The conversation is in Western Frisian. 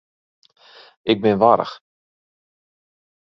Ik bin wurch.